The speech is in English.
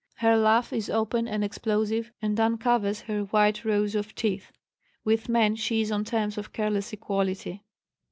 Her laugh is open and explosive and uncovers her white rows of teeth. With men she is on terms of careless equality."